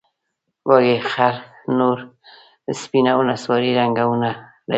وزې خړ، تور، سپین او نسواري رنګونه لري